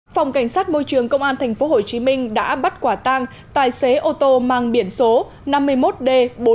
phòng cảnh sát môi trường công an tp hcm đã bắt quả tăng tài xế ô tô mang biển số năm mươi một d bốn mươi một nghìn sáu trăm chín mươi năm